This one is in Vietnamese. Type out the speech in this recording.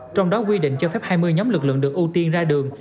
trong đó quy định cho phép hai mươi nhóm lực lượng được ưu tiên ra đường